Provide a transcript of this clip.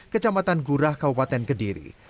kecamatan gurah kabupaten kediri